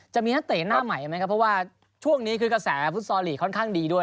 จะมีนักเตะหน้าใหม่ไหมครับเพราะว่าช่วงนี้คือกระแสฟุตซอลลีกค่อนข้างดีด้วย